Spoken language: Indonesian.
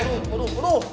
penuh penuh penuh